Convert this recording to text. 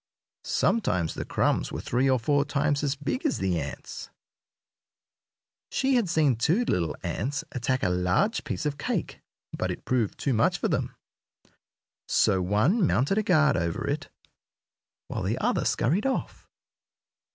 Sometimes the crumbs were three or four times as big as the ants. She had seen two little ants attack a large piece of cake, but it proved too much for them, so one mounted guard over it while the other scurried off.